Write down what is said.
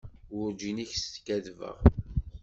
Werǧin i k-skaddbeɣ.